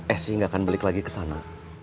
esi gak akan balik lagi kesana